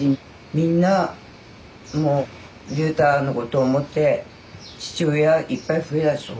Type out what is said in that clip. みんなもう竜太のことを思って父親いっぱい増えたでしょ。